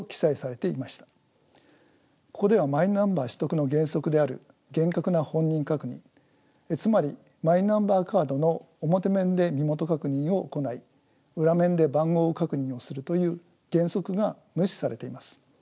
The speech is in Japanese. ここではマイナンバー取得の原則である厳格な本人確認つまりマイナンバーカードの表面で身元確認を行い裏面で番号確認をするという原則が無視されています。